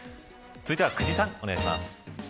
続いては久慈さん、お願いします。